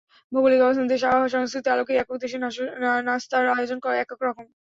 ভৌগোলিক অবস্থান, দেশ, আবহাওয়া, সংস্কৃতির আলোকেই একেক দেশের নাশতার আয়োজন একেক রকম।